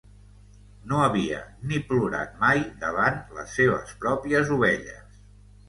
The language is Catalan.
No havia ni plorat mai davant les seves pròpies ovelles.